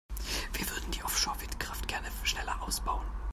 Wir würden die Offshore-Windkraft gerne schneller ausbauen.